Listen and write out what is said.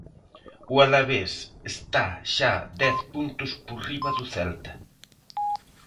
O Alavés está xa dez puntos por riba do Celta.